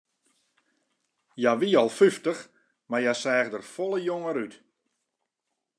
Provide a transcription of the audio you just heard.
Hja wie al fyftich, mar hja seach der folle jonger út.